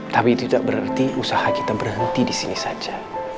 tapi itu tidak berarti usaha kita berhenti disini saja